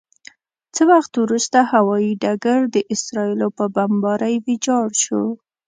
څه وخت وروسته هوايي ډګر د اسرائیلو په بمبارۍ ویجاړ شو.